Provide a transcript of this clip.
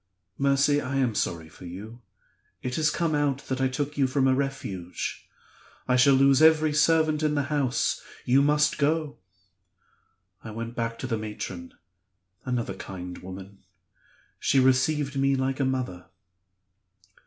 'Mercy, I am sorry for you; it has come out that I took you from a Refuge; I shall lose every servant in the house; you must go.' I went back to the matron another kind woman. She received me like a mother.